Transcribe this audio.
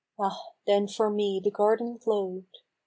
Ah 1 then for me the garden glow'd.